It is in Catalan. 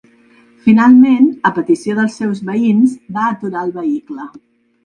Finalment, a petició dels seus veïns, va aturar el vehicle.